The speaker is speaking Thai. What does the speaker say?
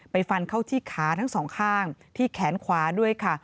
ฟันเข้าที่ขาทั้งสองข้างที่แขนขวาด้วยค่ะ